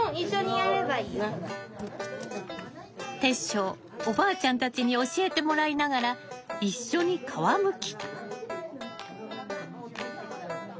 煌翔おばあちゃんたちに教えてもらいながら一緒に皮むき。